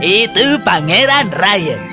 itu pangeran ryan